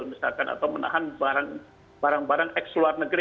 misalkan atau menahan barang barang x luar negeri